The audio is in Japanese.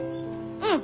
うん。